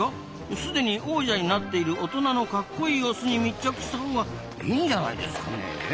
すでに王者になっている大人のかっこいいオスに密着したほうがいいんじゃないですかねえ？